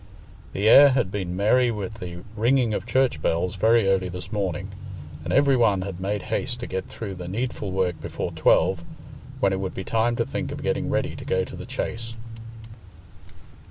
The air had been merry with the ringing of church bells very early this morning, and every one had made haste to get through the needful work before twelve, when it would be time to think of getting ready to go to the Chase.